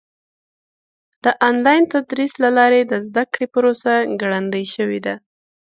د آنلاین تدریس له لارې د زده کړې پروسه ګړندۍ شوې ده.